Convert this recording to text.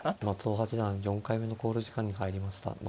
松尾八段４回目の考慮時間に入りました。